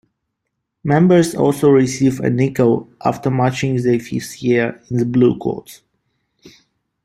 Members also receive a nickel after marching their fifth year in the Bluecoats.